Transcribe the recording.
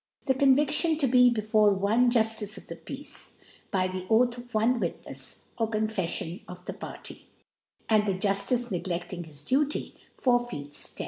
The Conviction to^be bef<H« one ' Juftice <rf Peace, by the Oath of one Wit nefi, or Confeflion of the Party* And the Juftice tiegleding :hiEt Duty, forfeits 10